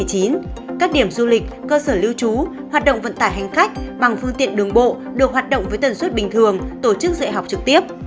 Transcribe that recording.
các điểm du lịch cơ sở lưu trú hoạt động vận tải hành khách bằng phương tiện đường bộ được hoạt động với tần suất bình thường tổ chức dạy học trực tiếp